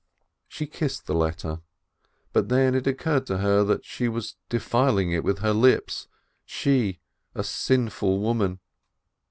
She kissed the letter, but then it occurred to her that she was defiling it with her lips, she, a sinful woman!